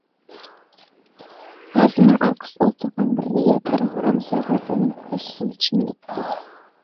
پازىلنىڭ ئارقىسىدا ئولتۇرغان بىر رىياكار ھارامزادە ئۇنىڭ كاسىسىنى چىمدىپتۇ.